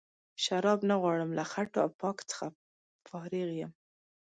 شراب نه غواړم له خټو او پاک څخه فارغ یم.